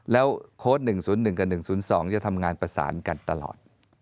แล้วโค้ด๑๐๑กับ๑๐๒จะทำงานประสานกันตลอด